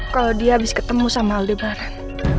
kalo dia abis ketemu sama aldebaran